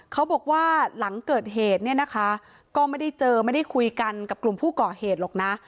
เขาบอกว่าหลังเกิดเหตุเนี่ยนะคะก็ไม่ได้เจอไม่ได้คุยกันกับกลุ่มผู้ก่อเหตุหรอกนะ